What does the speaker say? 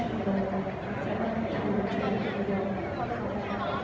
พี่แม่ที่เว้นได้รับความรู้สึกมากกว่า